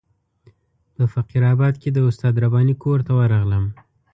په فقیر آباد کې د استاد رباني کور ته ورغلم.